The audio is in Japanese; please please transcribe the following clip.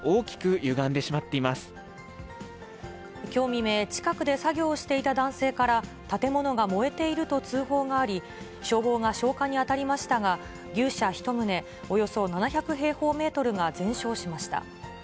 きょう未明、近くで作業をしていた男性から、建物が燃えていると通報があり、消防が消火に当たりましたが、牛舎１棟およそ７００平方メートルが全焼しました。